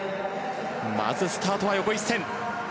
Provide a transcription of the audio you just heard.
まずスタートは横一線。